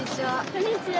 こんにちは。